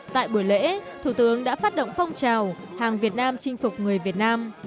tại buổi lễ thủ tướng đã phát động phong trào hàng việt nam chinh phục người việt nam